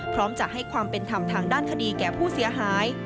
พร้อมจะให้ความเป็นธรรมทางด้านคดีแก่ผู้เสียหาย